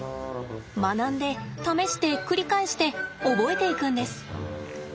学んで試して繰り返して覚えていくんです。